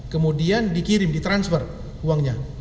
kemudian dikirim ditransfer uangnya